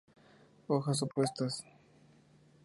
Hojas opuestas.